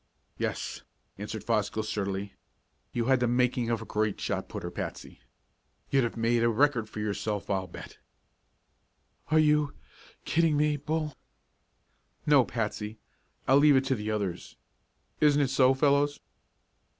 "Yes," answered Fosgill sturdily. "You had the making of a great shot putter, Patsy. You'd have made a record for yourself, I'll bet!" "Are you kiddin' me, Bull?" "No, Patsy. I'll leave it to the others. Isn't it so, fellows?"